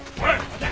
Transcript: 待て！